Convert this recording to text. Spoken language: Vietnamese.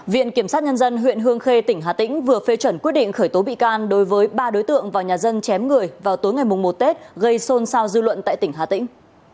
viện kiểm sát nhân dân huyện hương khê tỉnh hà tĩnh vừa phê chuẩn quyết định khởi tố bị can đối với ba đối tượng vào nhà dân chém người vào tối ngày một tết gây xôn xao dư luận tại tỉnh hà tĩnh